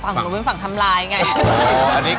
มันเป็นฝั่งทำร้ายไง